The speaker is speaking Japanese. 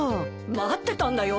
待ってたんだよ。